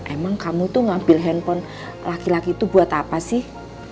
emang kamu tuh ngambil handphone laki laki itu buat apa sih